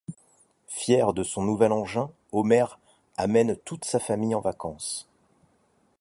Fier de son nouvel engin, Homer amène toute sa famille en vacances.